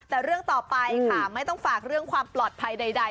แต่เรื่องต่อไปค่ะไม่ต้องฝากเรื่องความปลอดภัยใด